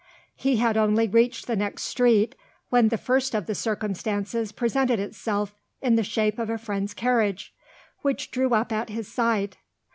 He had only reached the next street, when the first of the circumstances presented itself in the shape of a friend's carriage, which drew up at his side.